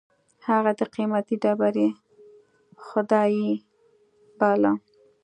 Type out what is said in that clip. هغه د قېمتي ډبرې خدای باله.